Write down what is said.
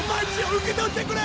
受け取ってくれ！